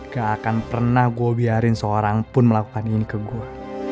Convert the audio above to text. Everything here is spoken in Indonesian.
ga akan pernah gua biarin seorang pun melakukan ini ke gua